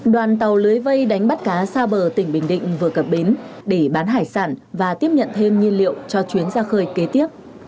đoàn tàu lưới vây đánh bắt cá xa bờ tỉnh bình định vừa cập bến để bán hải sản và tiếp nhận thêm nhiên liệu cho chuyến ra khơi kế tiếp